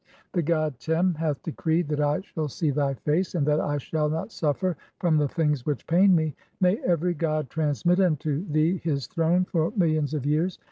The "god Tem hath decreed that I shall see thy face, and that I "shall not suffer from the things which pain thee. May every "god transmit unto thee (14) his throne for millions of years.